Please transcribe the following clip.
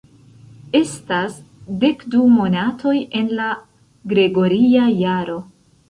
Estas dek du monatoj en la gregoria jaro.